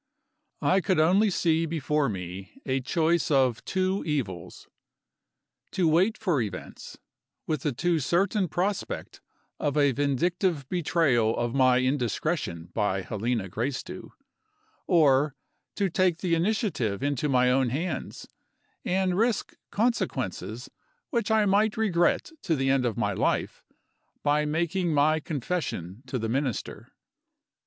I could only see before me a choice of two evils. To wait for events with the too certain prospect of a vindictive betrayal of my indiscretion by Helena Gracedieu. Or to take the initiative into my own hands, and risk consequences which I might regret to the end of my life, by making my confession to the Minister.